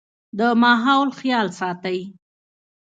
د ماحول خيال ساتئ